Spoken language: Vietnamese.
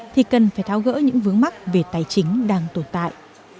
thì cần phải thao gỡ những vướng mắt về tài chính đang tồn tại